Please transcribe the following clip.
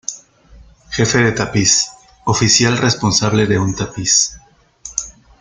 Jefe de tapiz: Oficial responsable de un tapiz.